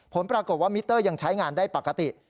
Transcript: ผลปรากฏว่ามิเตอร์ยังใช้งานได้ปกติ